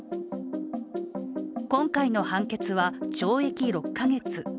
今回の判決は懲役６か月。